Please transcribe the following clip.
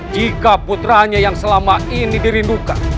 jika putranya yang selama ini dirindukan